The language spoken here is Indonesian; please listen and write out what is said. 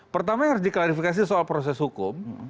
pertama yang harus diklarifikasi soal proses hukum